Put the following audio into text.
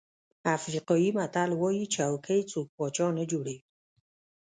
افریقایي متل وایي چوکۍ څوک پاچا نه جوړوي.